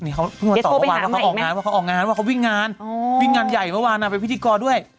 เด็ดโฟไปหามันอีกไหมออกงานว่าเขาวิ่งงานวิ่งงานใหญ่เมื่อวานนะเป็นพิธีกรด้วย